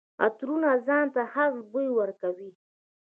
عطرونه ځان ته خاص بوی ورکوي.